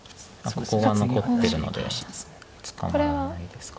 ここが残ってるので捕まらないですか。